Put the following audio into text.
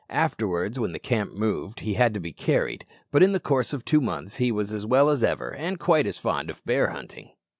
Afterwards when the camp moved he had to be carried; but in the course of two months he was as well as ever, and quite as fond of bear hunting!